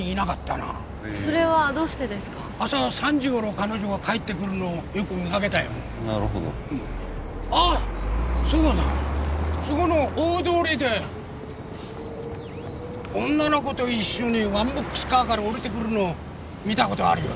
なるほどあッそうだそこの大通りで女の子と一緒にワンボックスカーから降りてくるのを見たことあるよ